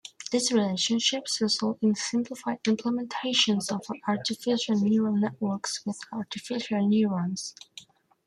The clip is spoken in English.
These relationships result in simplified implementations of artificial neural networks with artificial neurons.